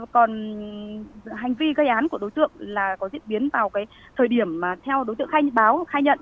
còn hành vi gây án của đối tượng là có diễn biến vào thời điểm theo đối tượng khai nhận